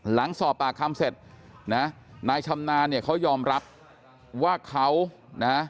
หลังสอบปากคำเสร็จนะนายชำนาญเนี่ยเขายอมรับว่าเขานะ